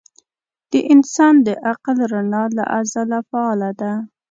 د انسان د عقل رڼا له ازله فعاله ده.